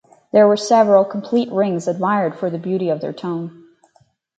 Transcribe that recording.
There were several complete rings admired for the beauty of their tone.